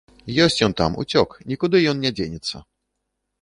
Ёсць ён там, уцёк, нікуды ён не дзенецца.